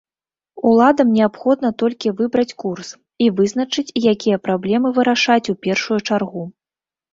Уладам неабходна толькі выбраць курс і вызначыць, якія праблемы вырашаць у першую чаргу.